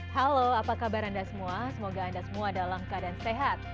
halo apa kabar anda semua semoga anda semua dalam keadaan sehat